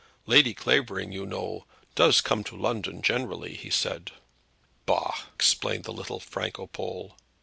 "Lady Clavering, you know, does come to London generally," he said. "Bah!" exclaimed the little Franco Pole.